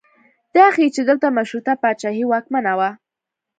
دا ښیي چې دلته مشروطه پاچاهي واکمنه وه.